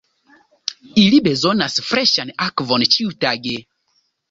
Ili bezonas freŝan akvon ĉiutage.